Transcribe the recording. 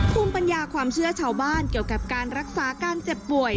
ภูมิปัญญาความเชื่อชาวบ้านเกี่ยวกับการรักษาการเจ็บป่วย